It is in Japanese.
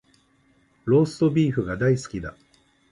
ローストビーフが大好きだ